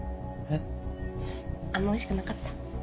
あんまおいしくなかった？